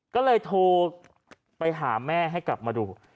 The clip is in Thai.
ก็เลยโทรไปหาแม่ให้กลับมาดู